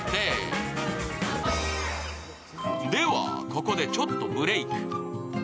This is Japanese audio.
ここでちょっとブレーク。